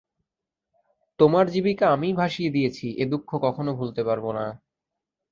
তোমার জীবিকা আমিই ভাসিয়ে দিয়েছি এ দুঃখ কখনো ভুলতে পারব না।